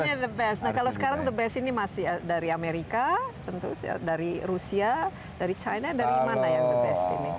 nah kalau sekarang the best ini masih dari amerika tentu dari rusia dari china dari mana yang the best ini